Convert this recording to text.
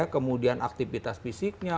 kemudian aktivitas fisiknya